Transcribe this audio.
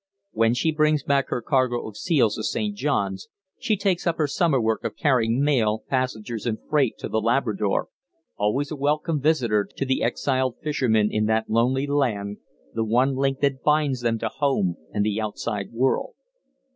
When she brings back her cargo of seals to St. Johns, she takes up her summer work of carrying mail, passengers, and freight to The Labrador always a welcome visitor to the exiled fishermen in that lonely land, the one link that binds them to home and the outside world.